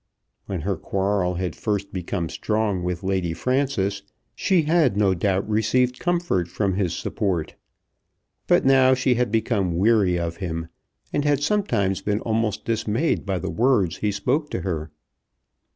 When her quarrel had first become strong with Lady Frances she had no doubt received comfort from his support. But now she had become weary of him, and had sometimes been almost dismayed by the words he spoke to her.